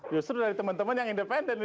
justru dari teman teman yang independen